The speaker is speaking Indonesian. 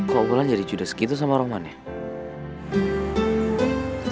kok gue lah jadi juda segitu sama orang mania